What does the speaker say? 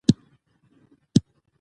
معلومات ورکول سول.